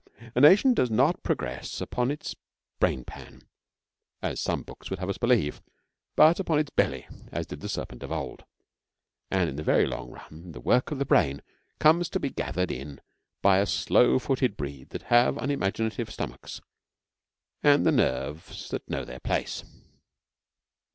Now a nation does not progress upon its brain pan, as some books would have us believe, but upon its belly as did the Serpent of old; and in the very long run the work of the brain comes to be gathered in by a slow footed breed that have unimaginative stomachs and the nerves that know their place.